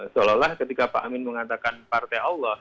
seolah olah ketika pak amin mengatakan partai allah